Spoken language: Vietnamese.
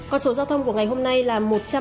con số giao thông của ngày hôm nay là một trăm linh